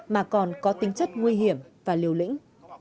mà còn có tính chất nguy hiểm và liều lĩnh